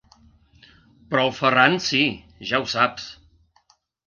Però el Ferran sí, ja ho saps.